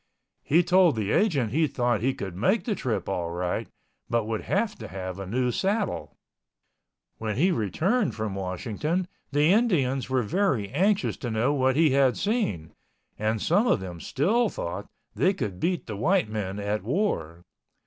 He told the agent he thought he could make the trip all right, but would have to have a new saddle. When he returned from Washington, the Indians were very anxious to know what he had seen and some of them still thought they could beat the white men at war.